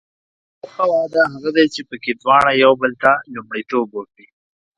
یو ښه واده هغه دی چې پکې دواړه یو بل ته لومړیتوب ورکړي.